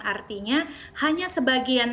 artinya hanya sebagian